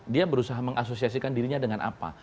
dia berusaha mengasosiasikan dirinya dengan apa